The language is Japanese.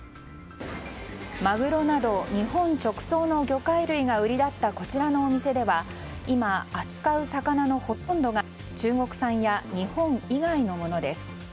マグロなど日本直送の魚介類が売りだったこちらのお店では今、扱う魚のほとんどが中国産や日本以外のものです。